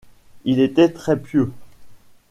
Il était très pieux.